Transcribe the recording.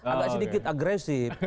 agak sedikit agresif